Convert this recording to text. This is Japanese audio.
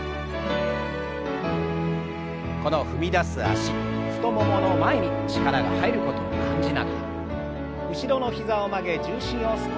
この踏み出す脚太ももの前に力が入ることを感じながら後ろの膝を曲げ重心を少し押し下げましょう。